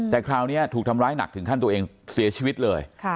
แต่คราวนี้ถูกทำร้ายหนักถึงขั้นตัวเองเสียชีวิตเลย